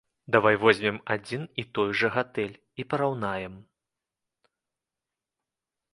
Давай возьмем адзін і той жа гатэль і параўнаем.